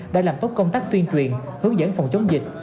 đã làm tốt công tác tuyên truyền hướng dẫn phòng chống dịch